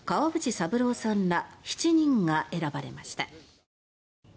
三郎さんら７人が選ばれました。